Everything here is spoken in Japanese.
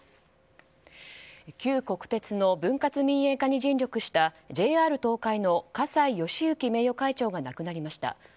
旧国鉄の分割民営化に尽力したＪＲ東海の葛西敬之名誉会長が亡くなりました。